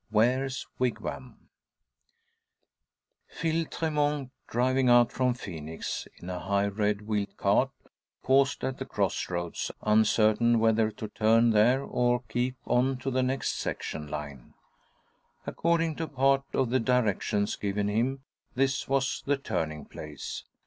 WARE'S WIGWAM PHIL TREMONT, driving out from Phoenix in a high, red wheeled cart, paused at the cross roads, uncertain whether to turn there or keep on to the next section line. According to part of the directions given him, this was the turning place.